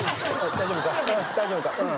大丈夫か？